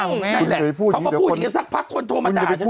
นั่นแหละเขาก็พูดอย่างนี้สักพักคนโทรมาด่าฉัน